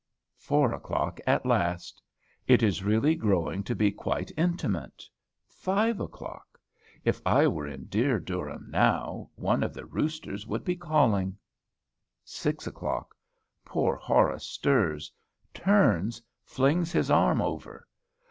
Four o'clock at last; it is really growing to be quite intimate. Five o'clock. "If I were in dear Durham now, one of the roosters would be calling," Six o'clock. Poor Horace stirs, turns, flings his arm over.